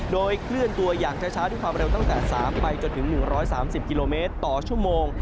โดยเคลื่อนตัวอย่างช้าด้วยความเร็วตั้งแต่๓ไปจนถึง๑๓๐กิโลเมตรต่อชั่วโมง